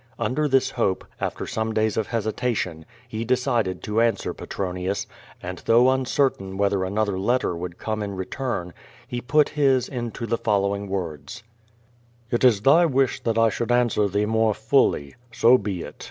Under this hope, after some days of hesitation, he decided to answer Petronius, and though uncertain whether another letter would come in re turn, he put his into the following words: It is thy wish that I should answer thee more fully. So be it.